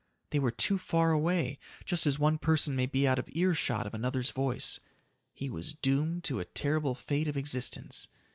They were too far away, just as one person may be out of earshot of another's voice. He was doomed to a terrible fate of existence!